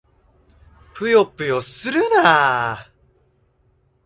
ぷよぷよするな！